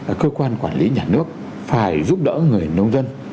trước mắt các cái cơ quan quản lý nhà nước phải giúp đỡ người nông dân